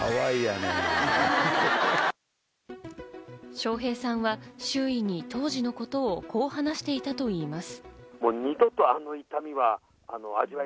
笑瓶さんは周囲に当時のことをこう話していたといいます。